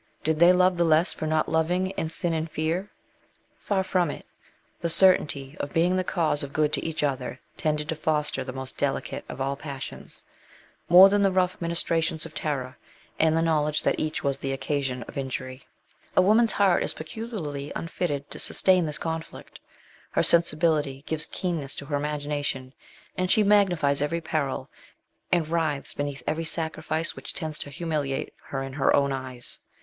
Did they love the less for not loving '' in sin and fear "? Far from it. The certainty of being the cause of good to each other tended to foster the most delicate of all passions, more than the rough ministrations of terror and the knowledge that each was the occasion of injury. A woman's heart is peculiarly unfitted to sustain this conflict. Her sensibility gives keenness to her imagination and she magnifies every peril, and writhes beneath every sacrifice which tends to humiliate her in her own eyes.